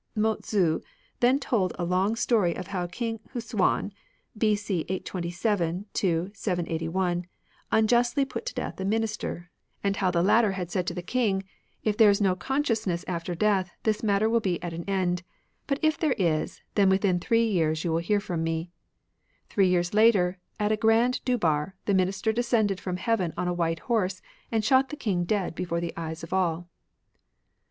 " Mo Tzu then told a long story of how King Hsiian, B.C. 827 781, imjustly put to death a Minister, 49 i> RELIGIONS OF ANCIENT CHINA and how the latter had said to the King, '' If there is no consciousness after death, this matter will be at an end ; but if there is, then within three years you will hear from me." Three years later, at a grand durbar, the Minister descended from heaven on a white horse, and shot the King dead before the eyes of all.